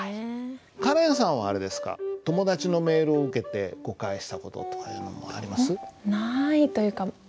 カレンさんはあれですか友達のメールを受けて誤解した事とかあります？